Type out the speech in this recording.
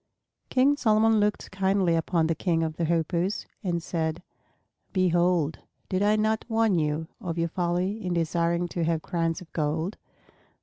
King Solomon looked kindly upon the King of the Hoopoes and said, "Behold, did I not warn you of your folly in desiring to have crowns of gold?